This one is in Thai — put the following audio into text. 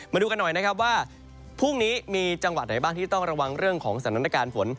มาดูกันหน่อยนะครับว่าพรุ่งนี้มีจังหวัดไหนบ้างที่ต้องระวังเรื่องของสถานการณ์ฝน